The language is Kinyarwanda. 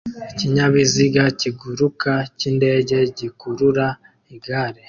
Ikinyabiziga kiguruka cyindege gikurura igare